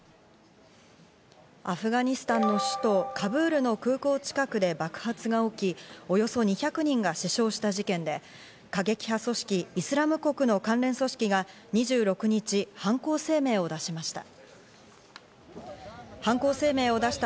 アフガニスタンの首都・カブールの空港近くで爆発が起き、およそ２００人が死傷した事件で、過激派組織イスラム国の関連組織が２６日、犯行声明を出しました。